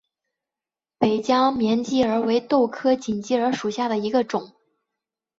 北疆锦鸡儿为豆科锦鸡儿属下的一个种。